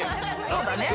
そうだね。